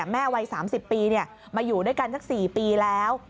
แม่วัย๓๐ปีมาอยู่ด้วยกันสัก๔ปีแล้ว